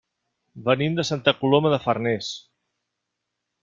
Venim de Santa Coloma de Farners.